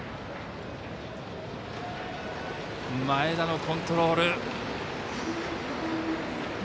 前田のコントロール。